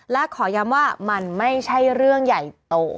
และขอย้ำว่ามันไม่ใช่เรื่องใหญ่โต